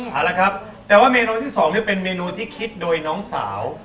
เอาละครับแต่ว่าเมนูที่๒เป็นเมนูที่คิดโดยน้องสาว